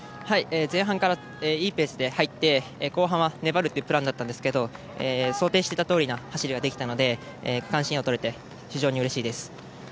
前半からいいペースで入って後半は粘るというプランだったんですけど、想定していたとおりな走りができたので区間新が取れて非常にうれしいです。